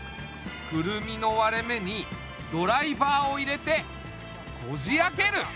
クルミの割れ目にドライバーを入れてこじ開ける。